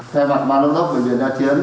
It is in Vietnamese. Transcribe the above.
theo mặt ban lâm tốc của việt nam chiến